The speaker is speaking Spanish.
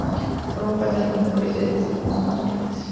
Formó parte del primer colegio de tribunos consulares.